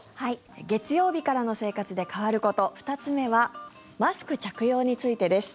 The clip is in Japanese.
月曜日からの生活で変わること２つ目はマスク着用についてです。